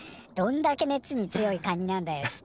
「どんだけ熱に強いカニなんだよ」